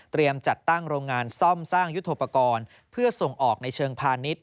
จัดตั้งโรงงานซ่อมสร้างยุทธโปรกรณ์เพื่อส่งออกในเชิงพาณิชย